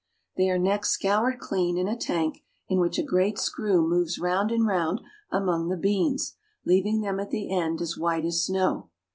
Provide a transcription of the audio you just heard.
They are next scoured clean in a tank in which a great screw moves round and round among the beans, leaving them at the end as white as snow.